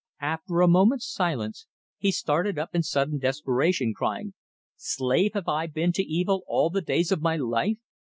After a moment's silence he started up in sudden desperation, crying: "Slave have I been to evil all the days of my life!